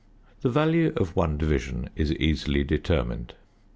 The value of 1 division is easily determined.